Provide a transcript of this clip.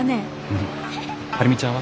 うん。